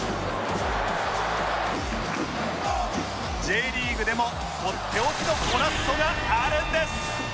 Ｊ リーグでもとっておきのゴラッソがあるんです